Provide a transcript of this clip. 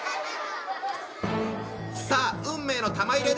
さあ運命の玉入れだ！